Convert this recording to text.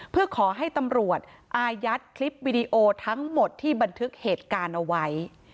เพื่อขอให้ตำรวจอายัดคลิปวิดีโอทั้งหมดที่บันทึกเหตุการณ์เอาไว้